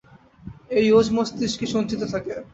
এই ওজ মস্তিষ্কে সঞ্চিত থাকে।